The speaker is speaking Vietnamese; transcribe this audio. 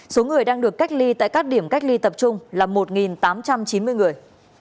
số người đang được cách ly tại các điểm cách ly tập trung là một tám trăm chín mươi người